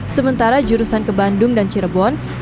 sementara jurusan ke bandung dan cirebon